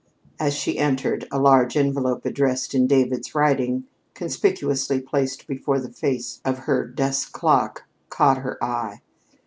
As she entered, a large envelope addressed in David's writing, conspicuously placed before the face of her desk clock, caught her eye.